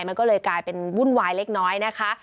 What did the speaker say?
มันก็เลยกลายเป็นวุ่นวายเล็กน้อยนะคะ